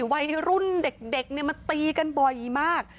วัยรุ่นเด็กมาตีกันบ่อยมาก